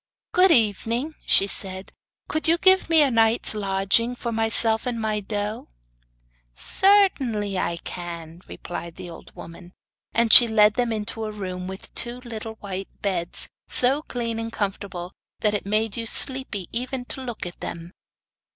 'Good evening!' she said; 'could you give me a night's lodging for myself and my doe?' 'Certainly I can,' replied the old woman. And she led them into a room with two little white beds, so clean and comfortable that it made you sleepy even to look at them.